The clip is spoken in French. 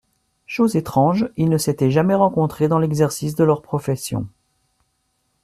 Chose étrange, ils ne s’étaient jamais rencontrés dans l’exercice de leur profession